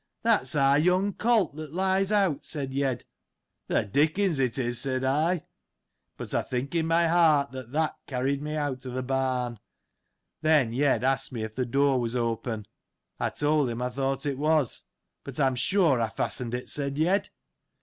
That's our young colt, that lies out, said Yed. The Dickens it is, said I. But I think in my heart that tJial carried me out o' th' barn. Then, Yed asked me, if the door was open. I told him I thought it was. But, I am sure I fastened it, said Yed.